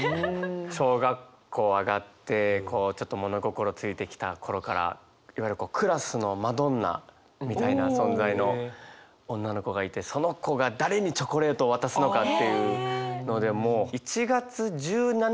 小学校上がってこうちょっと物心ついてきた頃からいわゆるクラスのマドンナみたいな存在の女の子がいてその子が誰にチョコレートを渡すのかっていうので。